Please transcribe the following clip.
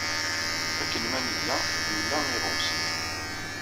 Akken ma nella nla iɣewsen.